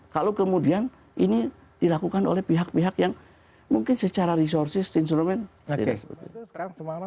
kalau kemudian ini dilakukan oleh pihak pihak yang mungkin secara resursi instrumen tidak seperti itu